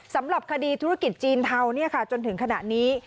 สำหรับคดีธุรกิจจีนเทาจนถึงขณะนี้